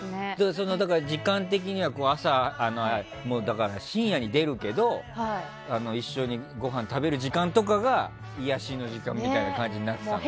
時間的には深夜に出るけど一緒にごはん食べる時間とかが癒やしの時間みたいな感じになってたのか。